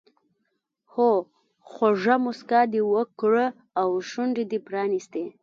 هو خوږه موسکا دې وکړه او شونډې دې پرانیستې.